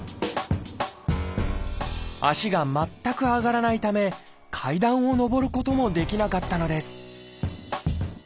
足が全く上がらないため階段を上ることもできなかったのです